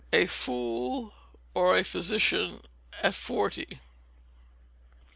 [A FOOL OR A PHYSICIAN AT FORTY.